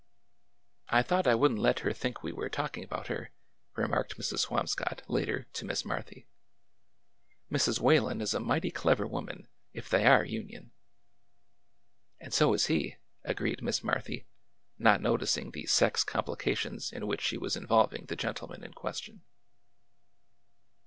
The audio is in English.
'' I thought I would n't let her think we were talking about her," remarked Mrs. Swamscott, later, to Miss Marthy. Mrs. Whalen is a mighty clever woman, if they are Union." And so is he," agreed Miss Marthy, not noticing the sex complications in which she was involving the gentle man in question.